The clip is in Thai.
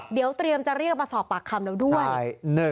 เดี๋ยวเตรียมจะเรียกมาสอบปากคำแล้วด้วย